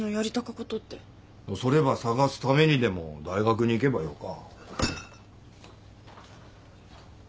それば探すためにでも大学に行けばよか。